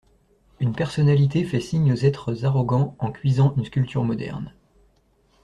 Une personnalité fait signe aux êtres arrogants en cuisant une sculpture moderne.